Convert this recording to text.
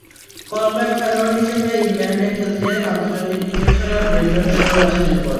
Kolpak খেলোয়াড় হিসেবে ইংল্যান্ডে খেলতে আন্তর্জাতিক ক্রিকেট ছাড়া ব্রেন্ডন টেলর আছেন এরপরই।